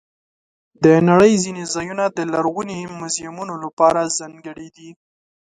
د نړۍ ځینې ځایونه د لرغوني میوزیمونو لپاره ځانګړي دي.